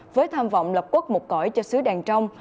với tham vọng lập quất một cõi cho sứ đàn trong